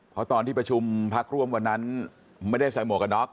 เพราะตอนที่ประชุมพักร่วมวันนั้นไม่ได้ใส่หมวกกันน็อก